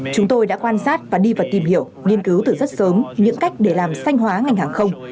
chúng tôi đã quan sát và đi vào tìm hiểu nghiên cứu từ rất sớm những cách để làm sanh hóa ngành hàng không